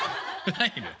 ないのよ。